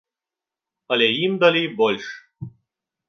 Але ім далі больш.